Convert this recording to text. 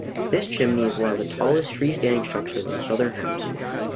This chimney is one of the tallest free-standing structures in the Southern Hemisphere.